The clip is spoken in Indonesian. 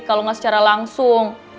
kalau gak secara langsung